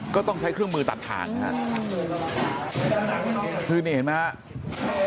ก็ต้องใช้เครื่องมือตัดทางนะครับคือนี่เห็นไหมครับ